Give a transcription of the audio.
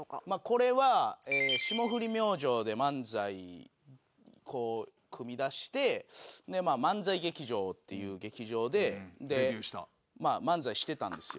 これは霜降り明星で漫才組みだしてでまあ漫才劇場っていう劇場で漫才してたんですよ。